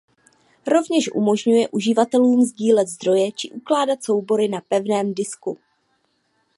Rovněž umožňuje uživatelům sdílet zdroje či ukládat soubory na pevném disku.